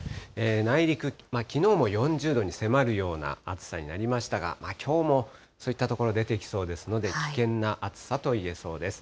内陸、きのうも４０度に迫るような暑さになりましたが、きょうもそういった所、出てきそうですので、危険な暑さといえそうです。